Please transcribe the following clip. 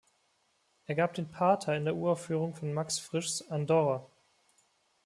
Er gab den "Pater" in der Uraufführung von Max Frischs "Andorra".